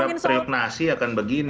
ya bicara pribnasi akan begini